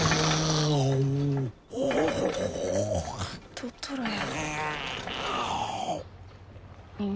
トトロや。